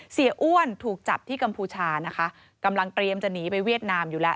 อ้วนถูกจับที่กัมพูชานะคะกำลังเตรียมจะหนีไปเวียดนามอยู่แล้ว